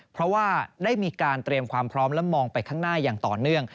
เพราะว่าได้มีการเตรียมความพร้อมและมองไปข้างหน้าอย่างต่อเนื่อง